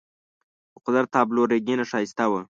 د قدرت تابلو رنګینه ښایسته وه.